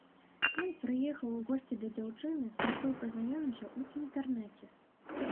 Ён прыехаў у госці да дзяўчыны, з якой пазнаёміўся ў інтэрнэце.